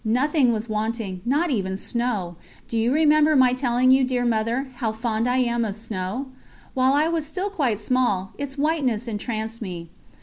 Nothing was wanting, not even snow. Do you remember my telling you, dear Mother, how fond I am of snow? While I was still quite small, its whiteness entranced me.